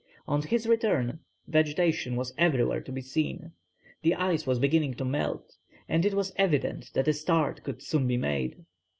On his return, vegetation was everywhere to be seen, the ice was beginning to melt, and it was evident that a start could soon be made.